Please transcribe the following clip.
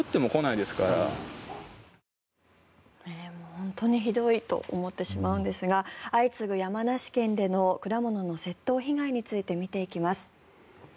本当にひどいと思ってしまうんですが相次ぐ山梨県での果物の窃盗被害について見ていきます。